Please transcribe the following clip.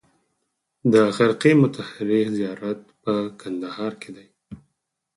د خرقې مطهرې زیارت په کندهار کې دی